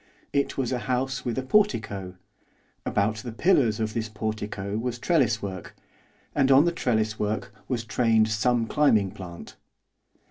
It was a house with a portico; about the pillars of this portico was trelliswork, and on the trelliswork was trained some climbing plant.